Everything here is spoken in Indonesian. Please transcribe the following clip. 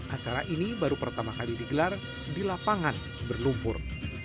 acara ini baru pertama kali digelar di lapangan berlumpur